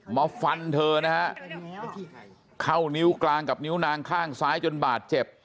มาฟันเธอนะฮะเข้านิ้วกลางกับนิ้วนางข้างซ้ายจนบาดเจ็บ